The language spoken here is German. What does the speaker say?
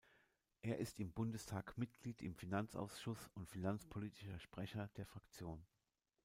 Er ist im Bundestag Mitglied im Finanzausschuss und finanzpolitischer Sprecher der Fraktion.